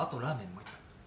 もう一杯。